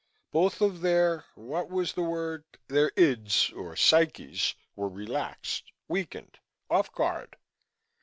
Both of their what was the word? their ids or psyches were relaxed, weakened, off guard.